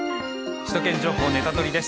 「首都圏情報ネタドリ！」です。